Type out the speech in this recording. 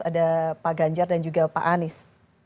ada pak ganjar dan juga pak anies